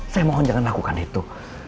saya mohon jangan lakukan itu